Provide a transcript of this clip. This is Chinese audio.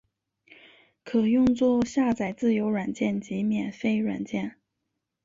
可用作下载自由软件及免费软件。